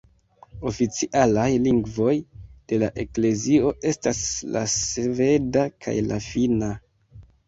Oficialaj lingvoj de la eklezio estas la sveda kaj la finna.